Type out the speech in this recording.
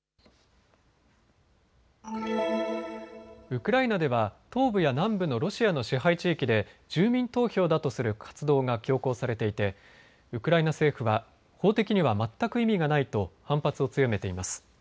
ウクライナでは東部や南部のロシアの支配地域で住民投票だとする活動が強行されていてウクライナ政府は法的には全く意味がないと反発を強めています。